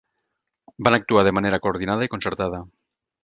Van actuar de manera coordinada i concertada.